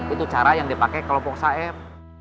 itu cara yang dipake kelompok saem